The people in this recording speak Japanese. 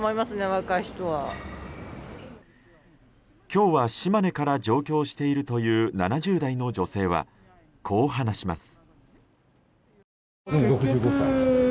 今日は島根から上京しているという７０代の女性はこう話します。